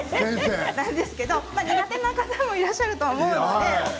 苦手な方もいらっしゃると思うんですね。